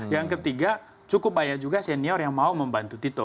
yang ketiga cukup banyak juga senior yang mau membantu tito